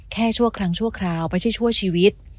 ชั่วครั้งชั่วคราวไม่ใช่ชั่วชีวิต